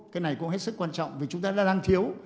cái này cũng hết sức quan trọng vì chúng ta đang thiếu